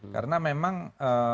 karena memang eee